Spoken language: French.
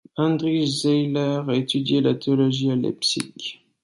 Handrij Zejler a étudié la théologie à Leipzig.